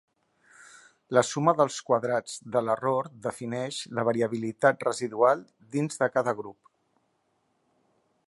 La suma de quadrats de l'error defineix la variabilitat residual dins de cada grup.